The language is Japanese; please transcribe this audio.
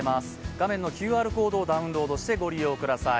画面のＱＲコードをダウンロードしてご覧ください。